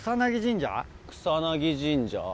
草薙神社。